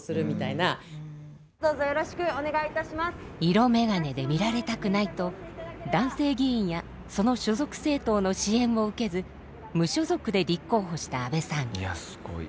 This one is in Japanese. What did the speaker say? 色眼鏡で見られたくないと男性議員やその所属政党の支援を受けず無所属で立候補した阿部さん。